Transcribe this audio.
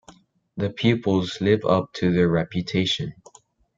The pupils live up to their reputation.